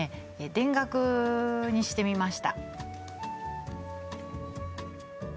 田楽にしてみました